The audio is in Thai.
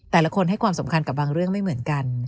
แต่ละคนให้ความสำคัญกับบางเรื่องไม่เหมือนกัน